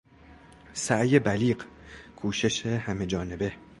سعی بلیغ، کوشش همهجانبه